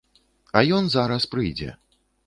А ён зараз прыйдзе.